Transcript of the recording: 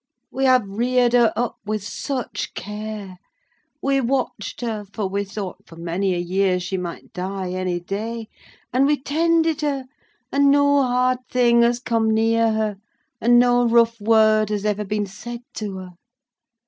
We have reared her up with such care: We watched her, for we thought for many a year she might die any day, and we tended her, and no hard thing has come near her, and no rough word has ever been said to her.